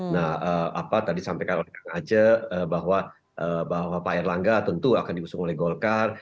nah apa tadi sampaikan oleh kang aceh bahwa pak erlangga tentu akan diusung oleh golkar